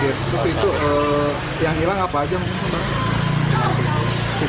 terus itu yang hilang apa aja mungkin